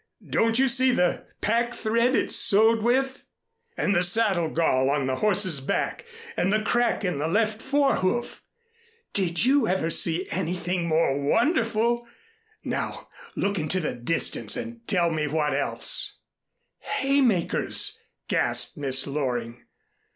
Don't you see the pack thread it's sewed with? And the saddle gall on the horse's back? And the crack in the left fore hoof? Did you ever see anything more wonderful? Now look into the distance and tell me what else." "Haymakers," gasped Miss Loring.